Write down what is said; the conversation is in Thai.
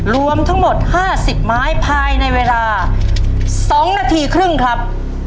รวมทั้งหมดห้าสิบไม้ภายในเวลาสองนาทีครึ่งครับ